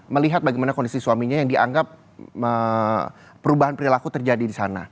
melihat bagaimana kondisi suaminya yang dianggap perubahan perilaku terjadi di sana